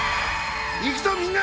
行くぞみんな！